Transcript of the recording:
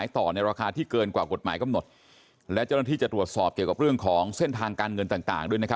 ตอนนี้เรายังไม่ได้แจ้งข้อเกราะหานะคะ